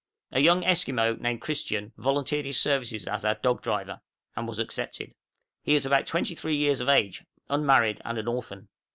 A young Esquimaux, named Christian, volunteered his services as our dog driver, and was accepted; he is about 23 years of age, unmarried, and an orphan.